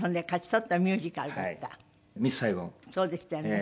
そうでしたよね。